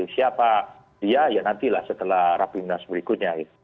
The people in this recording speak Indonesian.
siapa dia ya nantilah setelah rap timnas berikutnya